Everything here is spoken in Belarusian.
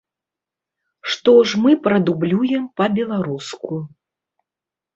Што ж мы прадублюем па-беларуску.